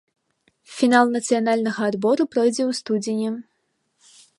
Фінал нацыянальнага адбору пройдзе ў студзені.